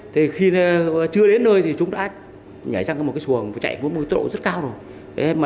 thì khi chưa đến nơi thì chúng ta nhảy ra một cái xuồng chạy với mối tốc độ rất cao rồi